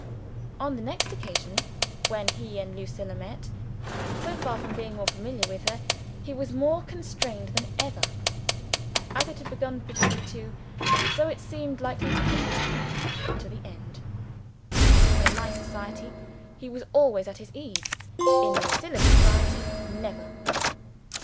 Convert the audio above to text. On the next occasion when he and Lucilla met so far from being more familiar with her, he was more constrained than ever. As it had begun between these two, so it seemed likely to continue to the end. In my society, he was always at his ease. In Lucilla's society, never!